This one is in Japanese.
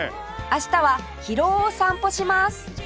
明日は広尾を散歩します